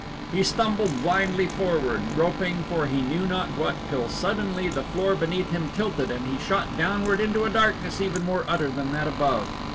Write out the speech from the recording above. He stumbled blindly forward, groping for he knew not what till suddenly the floor beneath him tilted and he shot downward into a darkness even more utter than that above.